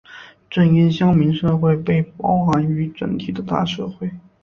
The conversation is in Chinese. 正因乡民社会被包含于整体的大社会。